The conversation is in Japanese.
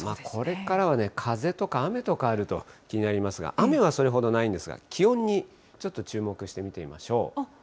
これからは風とか雨とかあると気になりますが、雨はそれほどないんですが、気温にちょっと注目して見てみましょう。